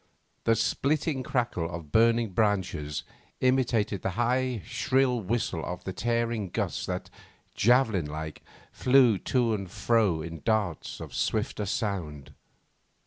The splitting crackle of burning branches imitated the high, shrill whistle of the tearing gusts that, javelin like, flew to and fro in darts of swifter sound.